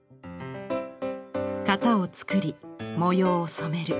型を作り模様を染める。